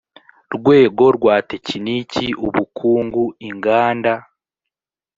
rwego rwa tekiniki ubukungu inganda